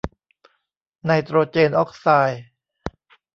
ไนโตรเจนออกไซด์